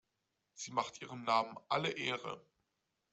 Sie macht ihrem Namen alle Ehre.